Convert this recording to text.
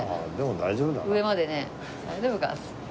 大丈夫か。